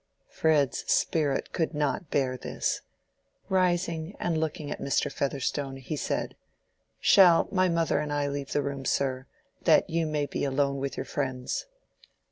Fred's spirit could not bear this: rising and looking at Mr. Featherstone, he said, "Shall my mother and I leave the room, sir, that you may be alone with your friends?"